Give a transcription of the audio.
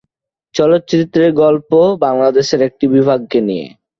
চলচ্চিত্রের গল্প বাংলাদেশের একটি বিভাগকে নিয়ে।